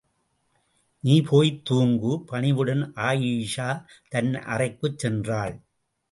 நீ போய்த் தூங்கு. பணிவுடன் ஆயீஷா தன் அறைக்குச் சென்றாள்.